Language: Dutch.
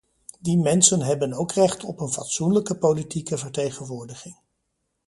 Die mensen hebben ook recht op een fatsoenlijke politieke vertegenwoordiging.